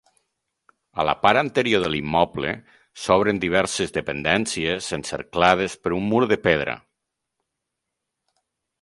A la part anterior de l'immoble s'obren diverses dependències encerclades per un mur de pedra.